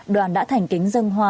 đoàn đã thành kính dân hoa